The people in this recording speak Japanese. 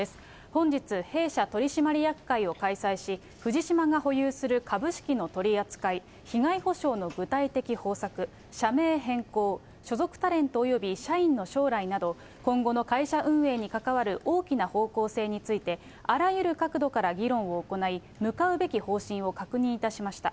本日弊社取締役会を開催し、藤島が保有する株式の取り扱い、被害補償の具体的方策、社名変更、所属タレント及び社員の将来など、今後の会社運営に関わる大きな方向性について、あらゆる角度から議論を行い、向かうべき方針を確認いたしました。